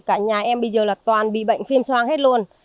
cả nhà em bây giờ là toàn bị bệnh phim xoang hết luôn